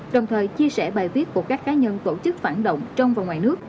đồng thời chia sẻ bài viết của các cá nhân tổ chức phản động trong và ngoài nước